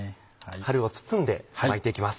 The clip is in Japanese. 春を包んで巻いていきます。